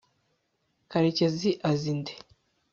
karekezi azi nde